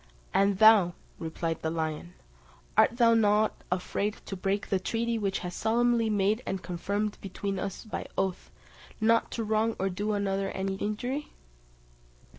"And thou," replied the lion, "art thou not afraid to break the treaty which was solemnly made and confirmed between us by oath, not to wrong or do one another any injury?"